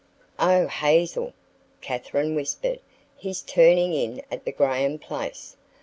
"O Hazel!" Katherine whispered; "he's turning in at the Graham place."